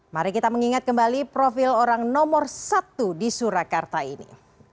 mari kita mengingat kembali profil orang nomor satu di surakarta ini